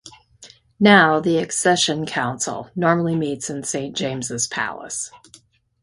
Now, the Accession Council normally meets in Saint James's Palace.